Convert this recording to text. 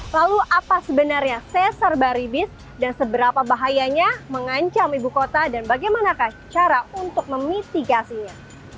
lalu apa sebenarnya cesar baribis dan seberapa bahayanya mengancam ibu kota dan bagaimanakah cara untuk memitigasinya